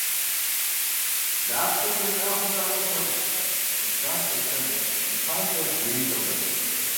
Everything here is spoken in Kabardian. – Дапщэрэ жесӀа а хъунщӀакӀуэм, – губжьащ Аслъэныр, и пащӀэр иритӀэурэ.